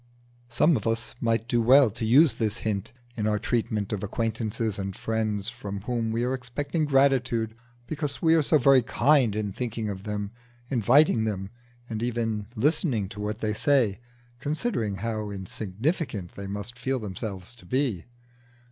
Some of us might do well to use this hint in our treatment of acquaintances and friends from whom we are expecting gratitude because we are so very kind in thinking of them, inviting them, and even listening to what they say considering how insignificant they must feel themselves to be.